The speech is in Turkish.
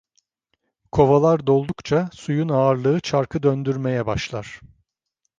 Kovalar doldukça, suyun ağırlığı çarkı döndürmeye başlar.